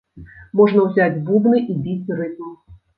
Можна ўзяць бубны і біць рытм.